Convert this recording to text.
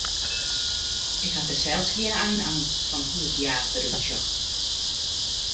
Ik ha der sels gjin aan fan hoe't hja derút sjocht.